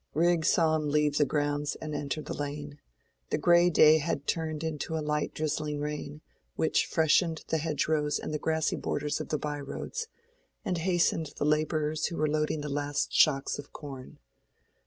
Rigg saw him leave the grounds and enter the lane. The gray day had turned to a light drizzling rain, which freshened the hedgerows and the grassy borders of the by roads, and hastened the laborers who were loading the last shocks of corn.